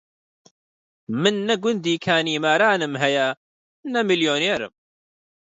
من نە گوندی کانیمارانم هەیە، نە میلیونێرم